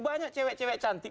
banyak cewek cewek cantik